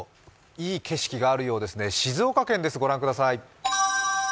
いい景色があるようですね、静岡県で、御覧ください。